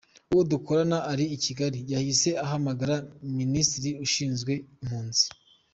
Uwo dukorana uri i Kigali yahise ahamagara Minisitiri ushinzwe impunzi.